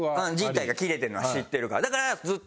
靱帯が切れてるのは知ってるから。